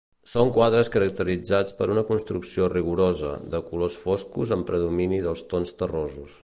Són quadres caracteritzats per una construcció rigorosa, de colors foscos amb predomini dels tons terrosos.